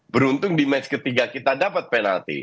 beruntung di match ketiga kita dapat penalti